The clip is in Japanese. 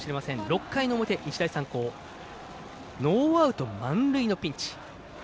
６回の表、日大三高ノーアウト、満塁のピンチ。